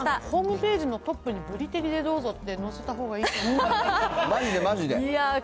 ホームページのトップに、ブリ照りでどうぞって載せたほうがいいと思う。